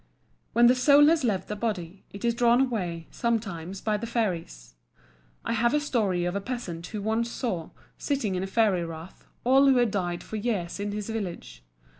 When the soul has left the body, it is drawn away, sometimes, by the fairies. I have a story of a peasant who once saw, sitting in a fairy rath, all who had died for years in his village.